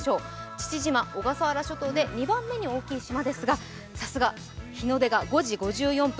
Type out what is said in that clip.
父島、小笠原諸島で２番目に大きいんですがさすが日の出が５時５４分。